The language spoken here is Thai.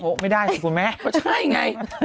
ไม่ได้สิคุณแม่ก็ใช่ไง